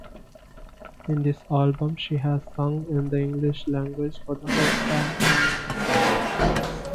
In this album she has sung in the English language for the first time.